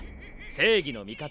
正義の味方